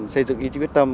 xây dựng ý chí quyết tâm